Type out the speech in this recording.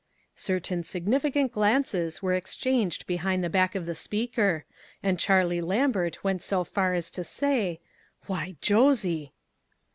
Certain sufficient glances were exchanged behind the back of the speaker, and Charlie Lambert went so far as to say, " Why, Josie